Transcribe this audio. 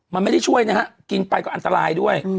มันไม่ได้ช่วยนะฮะกินไปก็อันตรายด้วย